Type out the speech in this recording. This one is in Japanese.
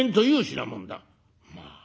「まあ。